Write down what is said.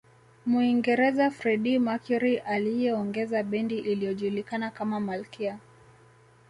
Muingereza Freddie Mercury aliyeongoza bendi iliyojulikana kama malkia